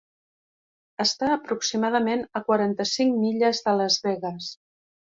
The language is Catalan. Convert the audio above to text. Està aproximadament a quaranta-cinc milles de Las Vegas.